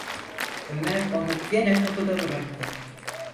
Ömer onu gene kapıda bıraktı.